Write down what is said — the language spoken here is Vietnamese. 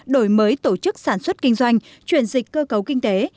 đổi mới tổ chức sản xuất kinh doanh chuyển dịch cơ cấu kinh tế